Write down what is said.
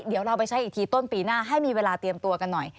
เดี๋ยวเราไปใช้อีกทีต้นปีหน้าให้มีเวลาเตรียมตัวกันหน่อย